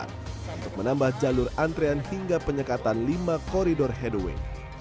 untuk menambah jalur antrean hingga penyekatan lima koridor headway